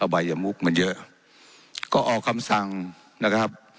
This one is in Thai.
บายมุกมันเยอะก็ออกคำสั่งนะครับ